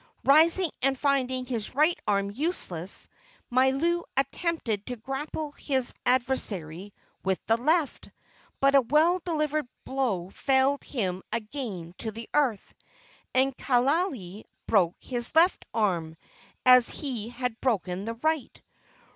Rising and finding his right arm useless, Mailou attempted to grapple his adversary with the left, but a well delivered blow felled him again to the earth, and Kaaialii broke his left arm as he had broken the right.